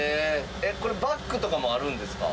これバックとかもあるんですか？